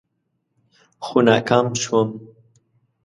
خو ناکام شوم.